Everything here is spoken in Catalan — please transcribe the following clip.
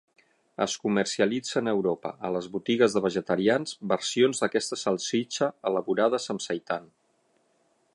Es comercialitzen a Europa, a les botigues de vegetarians, versions d'aquesta salsitxa elaborades amb seitan.